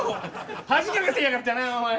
恥かかせやがったなお前。